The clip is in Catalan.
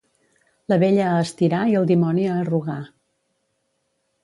La vella a estirar i el dimoni a arrugar.